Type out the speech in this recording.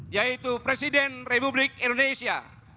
yaitu presiden republik indonesia